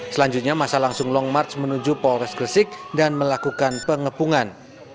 selanjutnya masa langsung long march menuju polres gresik dan melakukan pengepungan